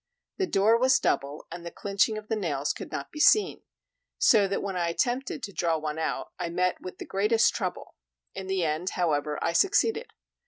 The door was double, and the clinching of the nails could not be seen; so that when I attempted to draw one out, I met with the greatest trouble; in the end however I succeeded.